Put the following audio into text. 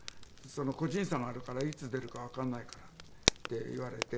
「個人差があるからいつ出るかわかんないから」って言われて。